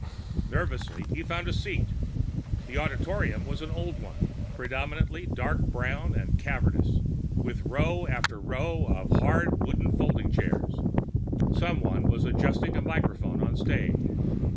Nervously he found a seat. The auditorium was an old one, predominantly dark brown and cavernous, with row after row of hard wooden folding chairs. Someone was adjusting a microphone on stage.